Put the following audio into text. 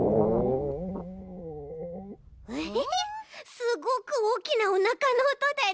すごくおおきなおなかのおとだち。